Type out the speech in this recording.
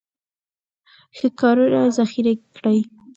ښه کارونه ذخیره کړئ.